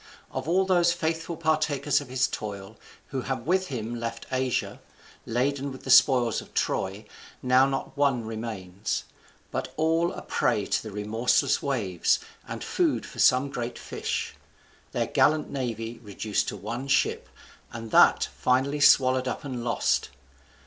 Of all those faithful partakers of his toil, who with him left Asia, laden with the spoils of Troy, now not one remains, but all a prey to the remorseless waves, and food for some great fish; their gallant navy reduced to one ship, and that finally swallowed up and lost.